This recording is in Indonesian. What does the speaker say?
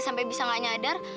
sampai bisa gak nyadar